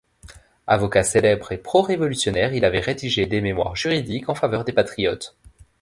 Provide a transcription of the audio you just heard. Avocat célèbre et pro-révolutionnaire, il avait rédigé des Mémoires juridiques en faveur des Patriotes.